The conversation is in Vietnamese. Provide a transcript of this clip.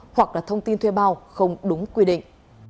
hoặc là thông tin thuê bao không đúng quy định